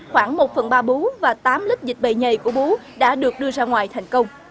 khoảng một phần ba bú và tám lớp dịch bầy nhảy của bú đã được đưa ra ngoài thành công